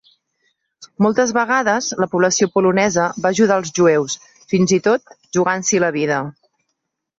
Moltes vegades, la població polonesa va ajudar els jueus, fins i tot jugant-s'hi la vida.